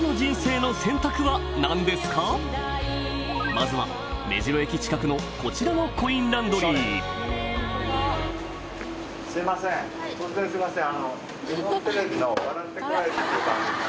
まずは目白駅近くのこちらのコインランドリー突然すいません。